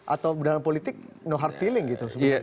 atau dalam politik no hard feeling gitu sebenarnya